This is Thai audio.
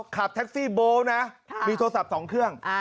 ขับแท็กซี่โบ๊นะมีโทรศัพท์๒เครื่อง